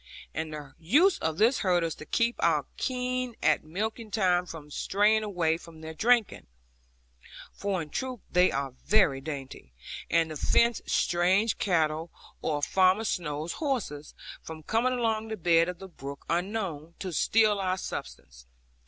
And the use of this hurdle is to keep our kine at milking time from straying away there drinking (for in truth they are very dainty) and to fence strange cattle, or Farmer Snowe's horses, from coming along the bed of the brook unknown, to steal our substance.